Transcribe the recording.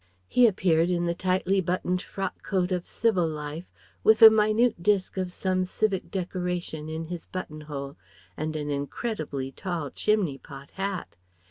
He appeared in the tightly buttoned frock coat of civil life, with a minute disc of some civic decoration in his button hole, and an incredibly tall chimney pot hat.